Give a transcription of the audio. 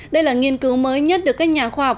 đây là nghiên cứu mới nhất được các nhà khoa học